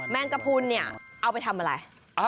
แมงกะพูนเอาไปทำอะไร